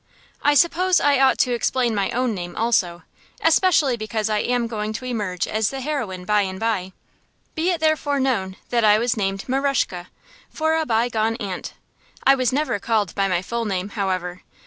I suppose I ought to explain my own name also, especially because I am going to emerge as the heroine by and by. Be it therefore known that I was named Maryashe, for a bygone aunt. I was never called by my full name, however.